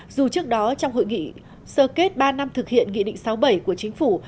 dù trước đó trong hội nghị sơ kết ba năm thực hiện nghị định sáu mươi bảy của chính phủ